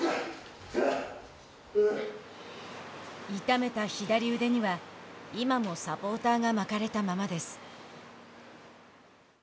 痛めた左腕には今もサポーターが巻かれたままです。